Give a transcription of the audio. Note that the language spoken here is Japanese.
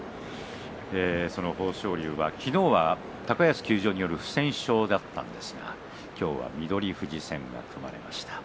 豊昇龍は昨日、高安休場による不戦勝だったんですが今日は翠富士戦が組まれました。